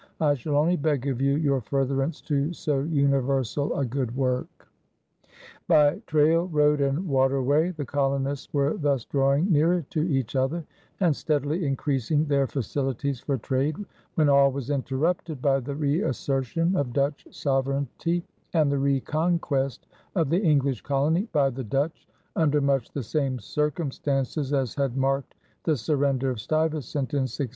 I shall only beg of you your furtherance to so universall a good work. By trail, road, and waterway the colonists were thus drawing nearer to each other and steadily increasing their facilities for trade, when all was interrupted by the reassertion of Dutch sovereignty and the reconquest of the English colony by the Dutch under much the same circumstances as had marked the surrender of Stuyvesant in 1664.